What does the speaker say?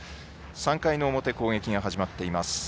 ３回の表、攻撃が始まっています。